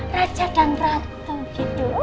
raja dan ratu gitu